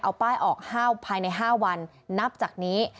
เอาป้ายออกห้าวภายใน๕วันนับจากนี้